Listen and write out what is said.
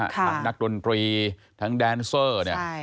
ทั้งนักดนตรีทั้งแดนเซอร์เนี่ย